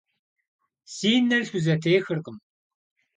Си нэр схузэтехыркъым.